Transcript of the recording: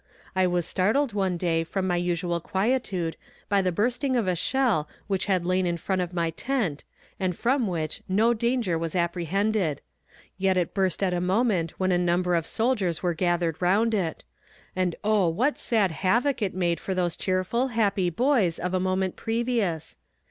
I was startled one day from my usual quietude by the bursting of a shell which had lain in front of my tent, and from which no danger was apprehended; yet it burst at a moment when a number of soldiers were gathered round it and oh, what sad havoc it made of those cheerful, happy boys of a moment previous!